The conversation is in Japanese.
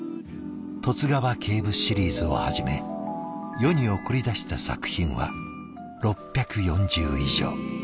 「十津川警部シリーズ」をはじめ世に送り出した作品は６４０以上。